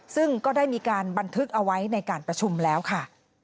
ซึ่งก็ได้มีการบันทึกเอาไว้ในการประชุมแล้วค่ะ